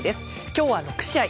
今日は６試合。